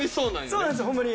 そうなんですホンマに。